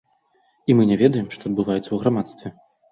І мы не ведаем, што адбываецца ў грамадстве.